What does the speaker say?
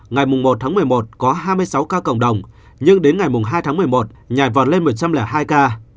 ngày một tháng một mươi một có hai mươi sáu ca cộng đồng nhưng đến ngày hai tháng một mươi một nhảy vọt lên một trăm linh hai ca